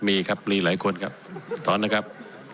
มีครับมีหลายคนครับถอนนะครับ